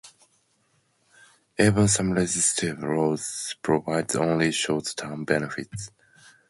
Even some resistive loads provide only short-term benefits.